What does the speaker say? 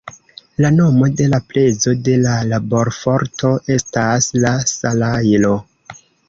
La nomo de la prezo de la laborforto estas la salajro.